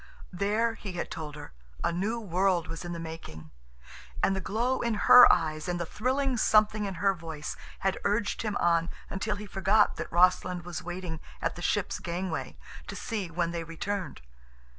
There, he had told her, a new world was in the making, and the glow in her eyes and the thrilling something in her voice had urged him on until he forgot that Rossland was waiting at the ship's gangway to see when they returned.